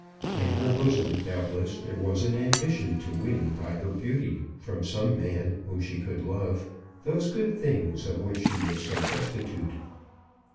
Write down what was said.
In her bosom, doubtless, there was an ambition to win by her beauty, from some man whom she could love, those good things of which she was so destitute.